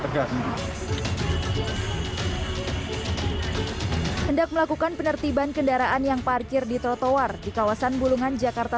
kerja sendiri hendak melakukan penertiban kendaraan yang parkir di trotoar di kawasan bulungan jakarta